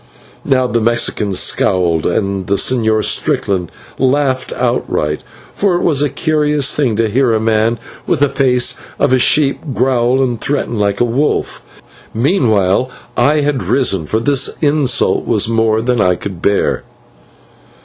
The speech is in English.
Now the Mexican scowled, and the Señor Strickland laughed outright, for it was a curious thing to hear a man with the face of a sheep growl and threaten like a wolf. Meanwhile I had risen, for this insult was more than I could bear.